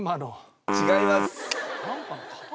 違います。